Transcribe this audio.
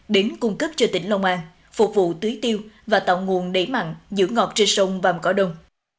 đến cung cấp cho tỉnh long an phục vụ tưới tiêu và tạo nguồn đẩy mặn giữ ngọt trên sông vàm cỏ đông